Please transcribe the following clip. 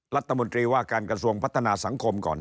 รัฐมนตรีว่าการกระทรวงพัฒนาสังคมก่อน